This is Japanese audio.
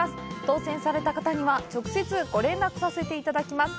当せんされた方には、直接ご連絡させていただきます。